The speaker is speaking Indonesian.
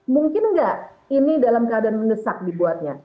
mungkin enggak ini dalam keadaan menesak dibuatnya